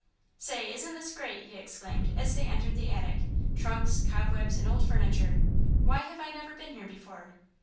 "Say, isn't this great!" he exclaimed, as they entered the attic. "Trunks, cobwebs, and old furniture! Why have I never been here before?"